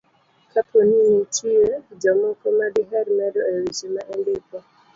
kapo ni nitie jomoko ma diher medo e weche ma indiko.